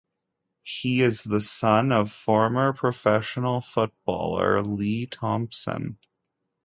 He is the son of former professional footballer Lee Thompson.